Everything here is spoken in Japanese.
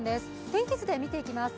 天気図で見ていきます。